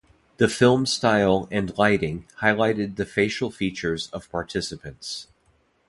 The film style and lighting highlighted the facial features of participants.